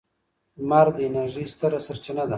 لمر د انرژۍ ستره سرچینه ده.